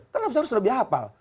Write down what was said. kan harus lebih hafal